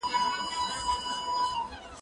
دا ليکنې له هغه ګټورې دي؟!